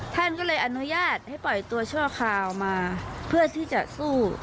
ท่านก็เลยอนุญาตให้ปล่อยตัวชั่วคราวมาเพื่อที่จะสู้